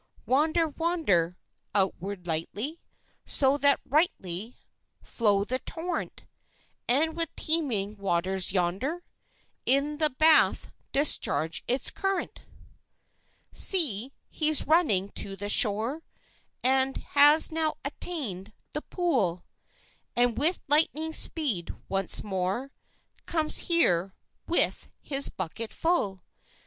"Wander, wander Onward lightly, So that rightly Flow the torrent, And with teeming waters yonder In the bath discharge its current! "See! he's running to the shore, And has now attain'd the pool, And with lightning speed once more Comes here, with his bucket full!